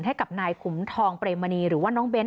ให้กับนายขุมทองเปรมมณีหรือว่าน้องเบ้น